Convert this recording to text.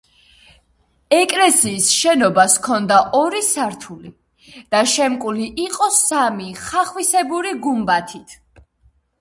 ეკლესიის შენობას ჰქონდა ორი სართული და შემკული იყო სამი ხახვისებური გუმბათით.